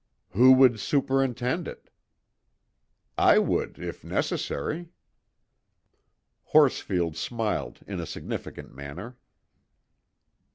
"Who would superintend it?" "I would, if necessary." Horsfield smiled in a significant manner.